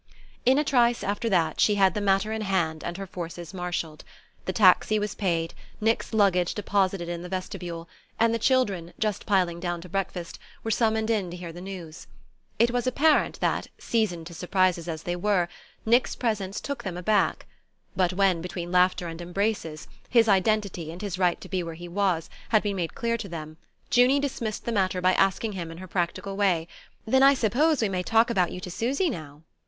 In a trice, after that, she had the matter in hand and her forces marshalled. The taxi was paid, Nick's luggage deposited in the vestibule, and the children, just piling down to breakfast, were summoned in to hear the news. It was apparent that, seasoned to surprises as they were, Nick's presence took them aback. But when, between laughter and embraces, his identity, and his right to be where he was, had been made clear to them, Junie dismissed the matter by asking him in her practical way: "Then I suppose we may talk about you to Susy now?"